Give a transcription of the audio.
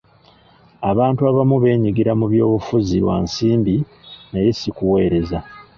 Abantu abamu beenyigira mu byobufuzi lwa nsimbi naye si kuweereza.